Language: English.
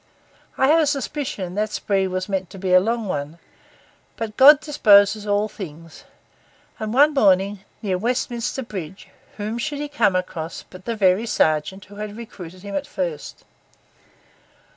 I have a suspicion that spree was meant to be a long one; but God disposes all things; and one morning, near Westminster Bridge, whom should he come across but the very sergeant who had recruited him at first!